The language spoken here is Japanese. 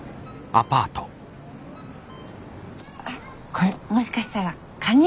あっこれもしかしたらカニ？